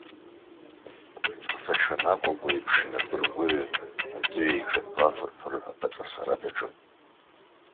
Аҵыс аҽанакәабо еиԥш, инапы ргәаҩаны аӡы ҩеиҿаҭәо, афырфырҳәа аԥаҵасара даҿын.